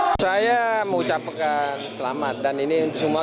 oke terima kasih